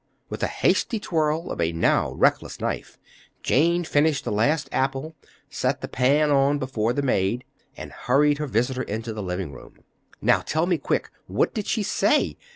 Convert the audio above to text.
_" With a hasty twirl of a now reckless knife, Jane finished the last apple, set the pan on the table before the maid, and hurried her visitor into the living room. "Now, tell me quick—what did she say?